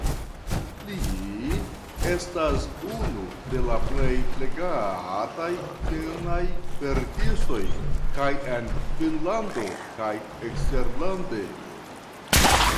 Li estas unu de la plej legataj finnaj verkistoj kaj en Finnlando kaj eksterlande.